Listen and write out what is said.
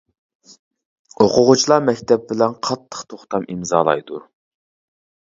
ئوقۇغۇچىلار مەكتەپ بىلەن قاتتىق توختام ئىمزالايدۇ.